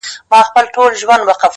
o خو د سندرو په محل کي به دي ياده لرم،